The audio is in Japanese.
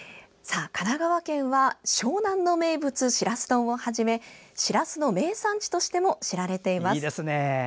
神奈川県は湘南の名物しらす丼をはじめしらすの名産地としても知られています。